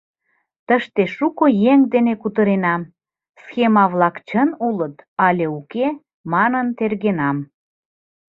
Тыште шуко еҥ дене кутыренам, схема-влак чын улыт, але уке манын тергенам.